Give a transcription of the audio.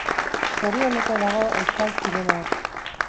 Zorioneko dago euskal zinema.